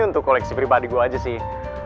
untuk koleksi pribadi gue aja sih